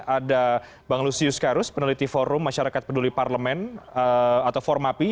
ada bang lusius karus peneliti forum masyarakat peduli parlemen atau formapi